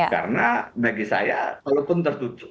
karena bagi saya walaupun tertutup